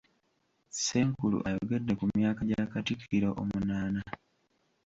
Ssenkulu ayogedde ku myaka gya Katikkiro omunaana.